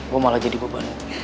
gue malah jadi beban